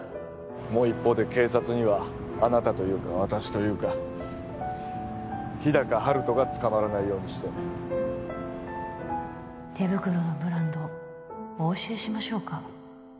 もう一方で警察にはあなたというか私というか日高陽斗が捕まらないようにして手袋のブランドお教えしましょうか？